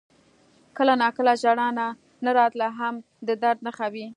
• کله ناکله ژړا نه راتلل هم د درد نښه وي.